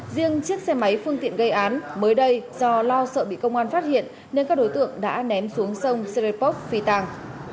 riêng chiếc xe máy phương tiện gây án mới đây do lo sợ bị công an phát hiện nên các đối tượng đã ném xuống sông serepok phi tàng